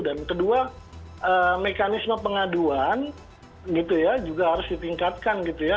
dan kedua mekanisme pengaduan gitu ya juga harus ditingkatkan gitu ya